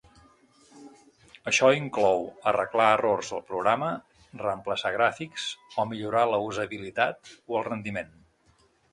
Això inclou arreglar errors del programa, reemplaçar gràfics o millorar la usabilitat o el rendiment.